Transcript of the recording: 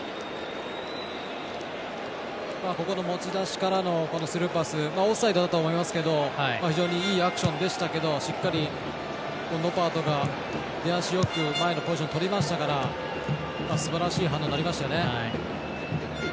持ち出しからのスルーパス、オフサイドだとは思いますけど非常にいいアクションでしたけどしっかりノパートが出足よく前のポジションをとりましたからすばらしい反応になりましたよね。